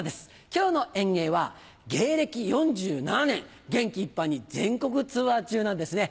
今日の演芸は芸歴４７年元気いっぱいに全国ツアー中なんですね。